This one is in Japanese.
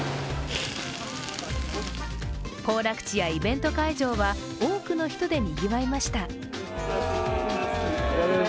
行楽地やイベント会場は多くの人でにぎわいました。